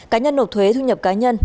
cá nhân nộp thuế thu nhập cá nhân